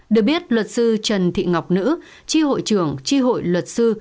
được biết luật sư trần thị ngọc nữ tri hội trưởng tri hội luật sư